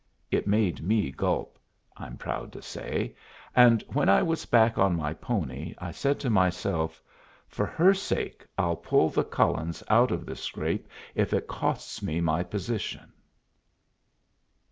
It made me gulp, I'm proud to say; and when I was back on my pony, I said to myself, "For her sake, I'll pull the Cullens out of this scrape, if it costs me my position."